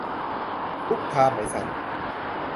คุกคามไหมสัส